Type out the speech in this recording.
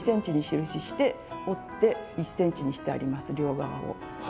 ２ｃｍに印して折って１ｃｍにしてあります両側を。